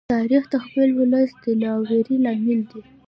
تاریخ د خپل ولس د دلاوري لامل دی.